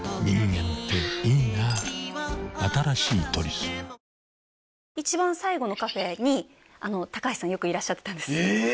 はぁー新しい「トリス」一番最後のカフェに高橋さんよくいらっしゃってたんですええっ！？